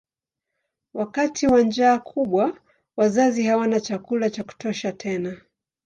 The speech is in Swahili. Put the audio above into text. Wakati wa njaa kubwa wazazi hawana chakula cha kutosha tena.